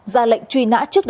ra lệnh truy nã trước năm